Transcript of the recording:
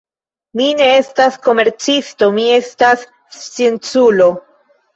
Mi ne estas komercisto; mi estas scienculo.